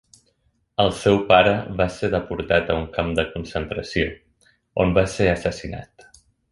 El seu pare va ser deportat a un camp de concentració, on va ser assassinat.